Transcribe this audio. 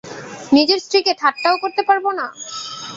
নিজের স্ত্রীকে ঠাট্টাও করতে পারব না।